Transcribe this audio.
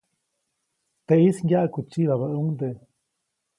Teʼis ŋgyaʼkutsyibabäʼuŋdeʼe.